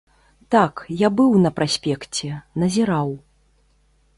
Так, я быў на праспекце, назіраў.